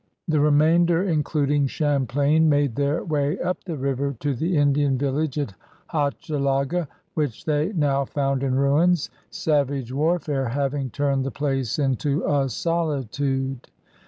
The remainder, including Champlain, made their way up the river to the Indian village at Hoche laga, which they now found in ruins, savage war fare having turned the place into a solitude.